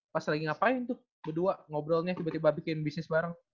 pas lagi ngapain tuh berdua ngobrolnya tiba tiba bikin bisnis bareng